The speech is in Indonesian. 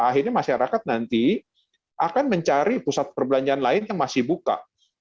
akhirnya masyarakat nanti akan mencari pusat perbelanjaan lain yang masih buka